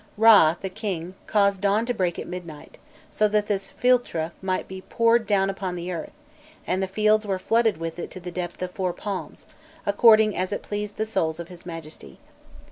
Râ, the king, caused dawn to break at midnight, so that this philtre might be poured down upon the earth; and the fields were flooded with it to the depth of four palms, according as it pleased the souls of his Majesty."